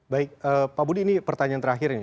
baik pak budi ini pertanyaan terakhirnya